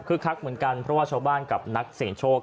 คือคักเหมือนกันเพราะว่าชาวบ้านกับนักเสี่ยงโชค